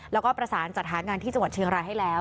แล้วก็ประสานจัดหางานที่จังหวัดเชียงรายให้แล้ว